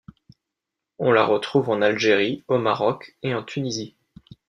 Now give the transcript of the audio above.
On la retrouve en Algérie, au Maroc et en Tunisie.